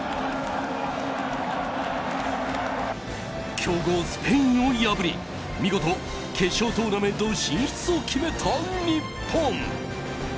強豪スペインを破り見事、決勝トーナメント進出を決めた日本。